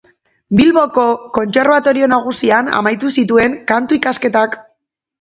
Bilboko Kontserbatorio Nagusian amaitu zituen Kantu ikasketak.